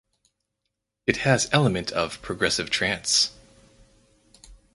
It has element of progressive trance